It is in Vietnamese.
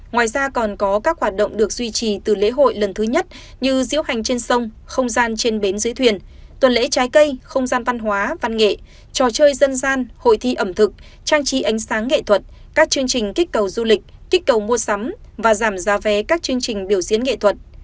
ngoài ra còn có các hoạt động được duy trì từ lễ hội lần thứ nhất như diễu hành trên sông không gian trên bến dưới thuyền tuần lễ trái cây không gian văn hóa văn nghệ trò chơi dân gian hội thi ẩm thực trang trí ánh sáng nghệ thuật các chương trình kích cầu du lịch kích cầu mua sắm và giảm giá vé các chương trình biểu diễn nghệ thuật